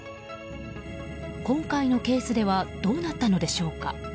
今回のケースではどうなったのでしょうか。